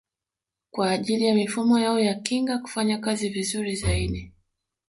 Kwa ajili ya mifumo yao ya kinga kufanya kazi vizuri zaidi